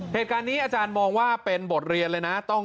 เหตุการณ์นี้อาจารย์มองว่าเป็นบทเรียนเลยนะ